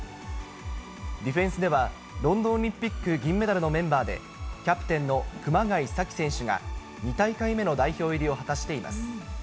ディフェンスではロンドンオリンピック銀メダルのメンバーで、キャプテンの熊谷紗希選手が２大会目の代表入りを果たしています。